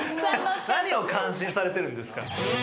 何を感心されてるんですか。